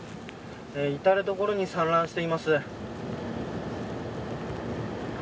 至る所に散乱しています。